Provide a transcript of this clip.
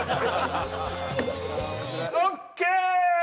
ＯＫ！